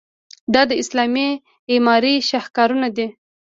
دا د اسلامي معمارۍ شاهکارونه دي.